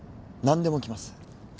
何でも着ます。